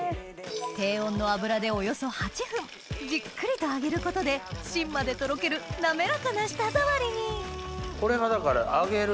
低温の油でおよそ８分じっくりと揚げることでしんまでとろける滑らかな舌触りにこれがだから揚げる